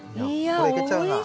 これいけちゃうな。